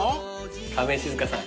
亀井静香さん。